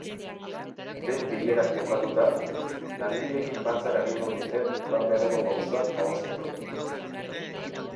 Behin bilerak bukatuta, langileekin batzarra egingo dute eman beharreko pausoak adosteko.